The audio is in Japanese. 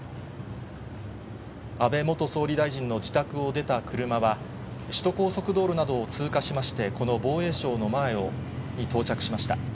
安倍元総理大臣の自宅を出た車は、首都高速道路などを通過しまして、この防衛省の前に到着しました。